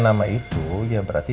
sampai ketemu lagi